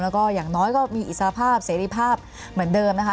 แล้วก็อย่างน้อยก็มีอิสระภาพเสรีภาพเหมือนเดิมนะคะ